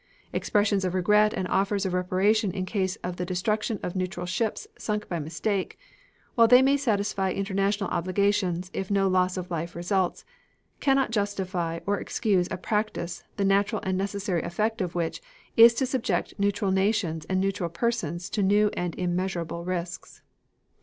Expressions of regret and offers of reparation in case of the destruction of neutral ships sunk by mistake, while they may satisfy international obligations, if no loss of life results, cannot justify or excuse a practice the natural and necessary effect of which is to subject neutral nations and neutral persons to new and immeasurable risks.